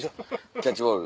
キャッチボール。